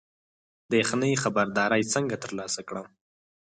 د یخنۍ خبرداری څنګه ترلاسه کړم؟